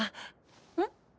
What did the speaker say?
うん？